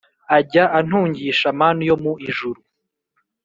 Ajya antungisha manu yo mu ijuru